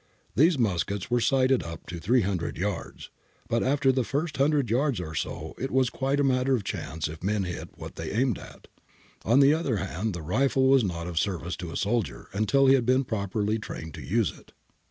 These muskets were sighted up to 300 yards. But after the first 100 yards or .so it was quite a 320 APPENDIX E 327 matter of chance if men hit what they aimed at. On the other hand, the rifle was not of service to a soldier until he had been properly trained to use it.'